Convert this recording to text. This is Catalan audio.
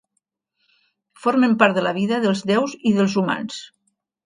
Formen part de la vida dels déus i dels humans.